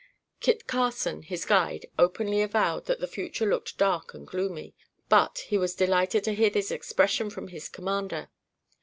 Kit Carson, his guide, openly avowed that the future looked dark and gloomy; but, he was delighted to hear this expression from his commander.